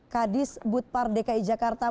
kadis budpar dki jakarta